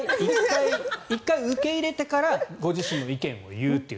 １回受け入れてからご自身の意見を言うという。